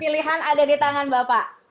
pilihan ada di tangan bapak